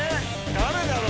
誰だろう。